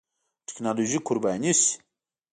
ټېکنالوژي قرباني شي.